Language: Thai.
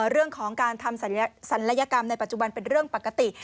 เรื่องของการทำศัลยกรรมในปัจจุบันเป็นเรื่องปกติ